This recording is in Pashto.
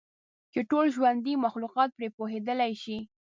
چې ټول ژوندي مخلوقات پرې پوهیدلی شي.